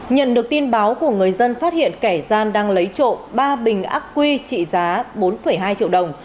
nhận được tin báo của người dân phát hiện kẻ gian đang lấy trộm ba bình ác quy trị giá bốn hai triệu đồng